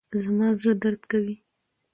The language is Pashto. زما زړه درد کوي.